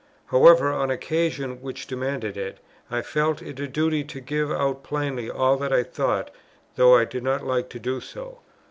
However, on occasions which demanded it, I felt it a duty to give out plainly all that I thought, though I did not like to do so.